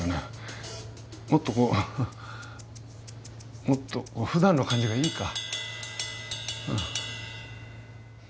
もっとこうもっとふだんの感じがいいか。